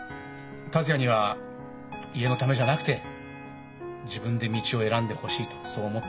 達也には家のためじゃなくて自分で道を選んでほしいとそう思ったんだ。